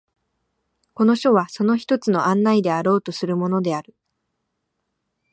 この書はその一つの案内であろうとするものである。